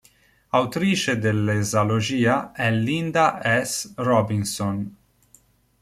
Autrice dell'esalogia è Lynda S. Robinson.